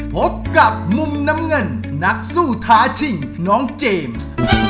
พบกับมุมน้ำเงินนักสู้ท้าชิงน้องเจมส์